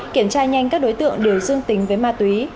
kiểm tra nhanh các đối tượng đều dương tính với ma túy